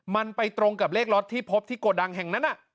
มันไปตรงกับเลขล็อตที่พบที่โกดังแห่งนั้น